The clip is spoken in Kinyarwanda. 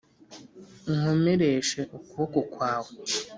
Unkomereshe ukuboko kwawe